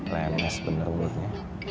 remes bener mulutnya